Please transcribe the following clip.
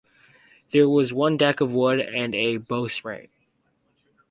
There was one deck, of wood, and a bowsprit.